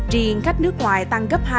riêng khách nước ngoài tăng gấp hai